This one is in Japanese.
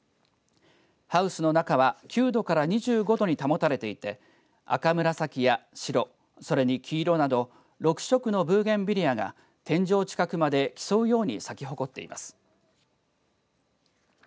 ハウスの中は９度から２５度に保たれていて赤紫や白、それに黄色など６色のブーゲンビリアが天井近くまで競うように咲き誇っています。